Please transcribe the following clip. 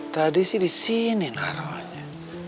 tadi sih di sini ngarohnya